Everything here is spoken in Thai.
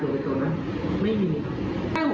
แต่ผมก็จะบอกว่าฟันแล้วทิ้งไม่ได้ผิดกฎหมายพี่